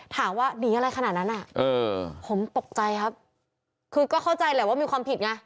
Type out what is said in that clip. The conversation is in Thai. ถามว่าหนีอะไรขนาดนั้นอ่ะเออผมตกใจครับคือก็เข้าใจแหละว่ามีความผิดไง